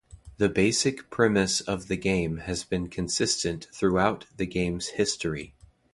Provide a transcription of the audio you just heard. The basic premise of the game has been consistent throughout the game's history.